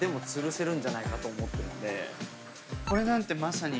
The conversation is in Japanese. これなんてまさに。